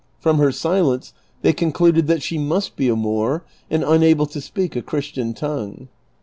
From her silence they concluded that she must be a Moor and unable to speak a Christian tongue.